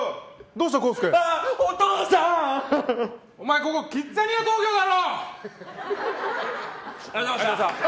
ここキッザニア東京だろ！